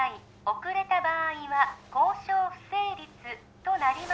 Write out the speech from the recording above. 遅れた場合は交渉不成立となります